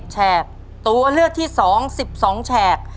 แฉกตัวเลือกที่๒๑๒แฉก